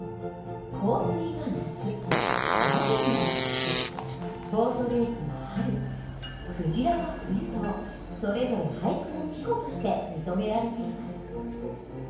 「香水」は夏「ラグビー」は冬「ボートレース」は春「鯨」は冬とそれぞれ俳句の季語として認められています。